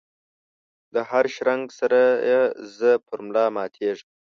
دهر شرنګ سره یې زه پر ملا ماتیږم